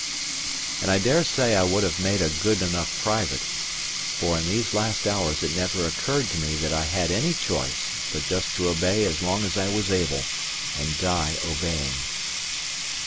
And I dare say I would have made a good enough private; for in these last hours it never occurred to me that I had any choice but just to obey as long as I was able, and die obeying.